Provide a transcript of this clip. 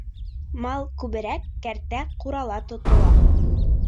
Мал күберәк кәртә-ҡурала тотола.